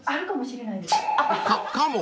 ［かかも？］